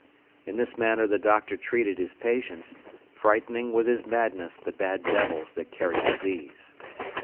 In this manner the doctor treated his patients, frightening with his madness the bad devils that carry disease.